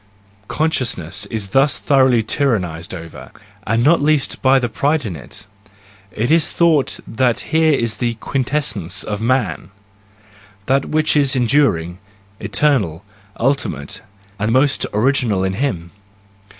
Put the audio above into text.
Consciousness is thus thoroughly tyrannised over — and not least by the pride in it! It is thought that here is the quintessence of man ; that which is enduring, eternal, ultimate, and most original in him!